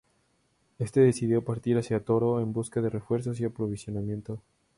Éste decidió partir hacia Toro en busca de refuerzos y aprovisionamiento.